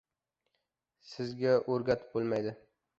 Sizga o‘rgatib bo‘lmaydi.